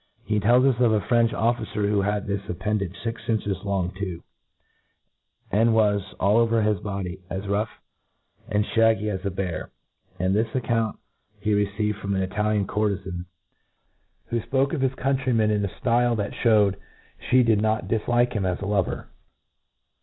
He telk us of a French officer who had this appendage fix inches long too, and was, all over his body^ as rough and fliaggy as a bear ; and this account he received from an Italian courtcfan, who Ipokc of P R E F A C £• 19 of his countrymeh in a ftile that (hewed (he did not diflike him as a lover.